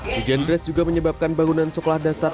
hujan deras juga menyebabkan bangunan sekolah dasar